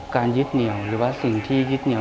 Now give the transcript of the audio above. ยึดเหนียวหรือว่าสิ่งที่ยึดเหนียว